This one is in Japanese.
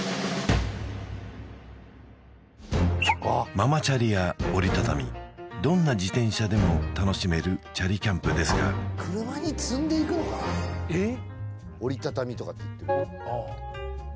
ママチャリや折り畳みどんな自転車でも楽しめるチャリキャンプですががあるそれが最近ではあっ